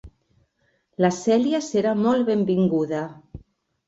La Celia serà molt benvinguda.